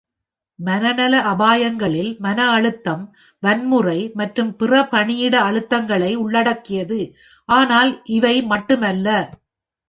மனநல அபாயங்களில் மன அழுத்தம், வன்முறை மற்றும் பிற பணியிட அழுத்தங்களை உள்ளடக்கியது, ஆனால் இவை மட்டுமல்ல.